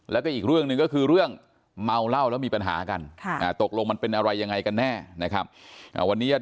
แล้วก็อีกเรื่องหนึ่งก็คือเรื่องเมาเหล้าแล้วมีปัญหากัน